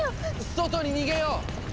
⁉外に逃げよう！